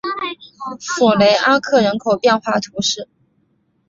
索雷阿克人口变化图示